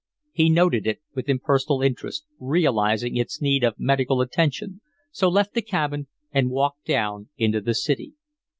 He noted it with impersonal interest, realizing its need of medical attention so left the cabin and walked down into the city.